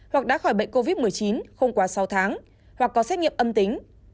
hoặc đã khỏi bệnh covid một mươi chín không quá sáu tháng hoặc có xét nghiệm âm tính